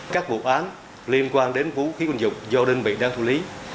các vụ án liên quan đến vũ khí quân dục do đơn vị đang thu lý